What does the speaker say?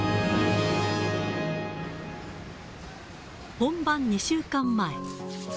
本番２週間前。